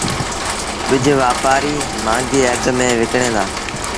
ٻج وآپآريٚ مآݩگي اگھ ميݩ وڪڻيٚن دآ